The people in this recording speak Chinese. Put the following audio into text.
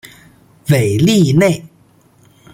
韦利内。